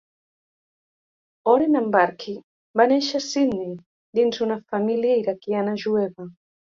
Oren Ambarchi va néixer a Sidney dins una família iraquiana jueva.